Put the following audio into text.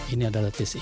ini adalah test ini